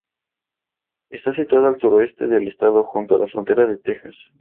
Está situada al suroeste del estado, junto a la frontera con Texas.